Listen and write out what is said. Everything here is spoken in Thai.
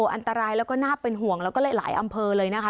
อันตรายแล้วก็น่าเป็นห่วงแล้วก็หลายอำเภอเลยนะคะ